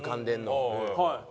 はい。